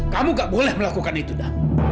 kamu gak boleh melakukan itu dah